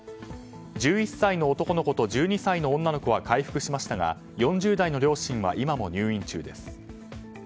１１歳の男の子と１２歳の女の子は回復しましたが４０代の両親は今も入院中です。